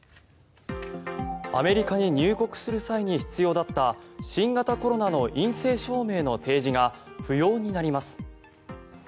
アメリカに入国する際に必要だった新型コロナの陰性証明の提示が不要になります。